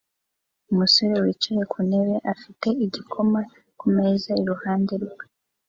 umusore wicaye ku ntebe afite igikoma kumeza iruhande rwe